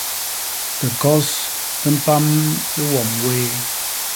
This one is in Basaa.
Dikos di mpam i wom wéé.